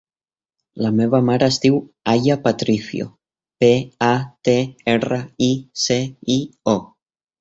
La meva mare es diu Aya Patricio: pe, a, te, erra, i, ce, i, o.